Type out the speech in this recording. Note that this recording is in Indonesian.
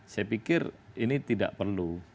saya pikir ini tidak perlu